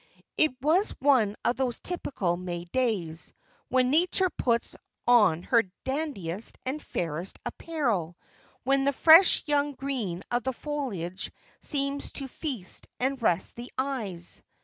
It was one of those typical May days, when Nature puts on her daintiest and fairest apparel, when the fresh young green of the foliage seems to feast and rest the eyes.